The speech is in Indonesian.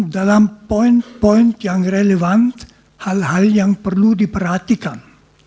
dalam poin poin yang relevan hal hal yang perlu diperhatikan